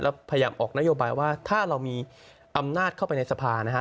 แล้วพยายามออกนโยบายว่าถ้าเรามีอำนาจเข้าไปในสภานะฮะ